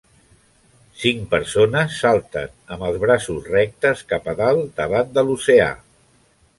Cinc persones salten amb els braços rectes cap a dalt davant de l'oceà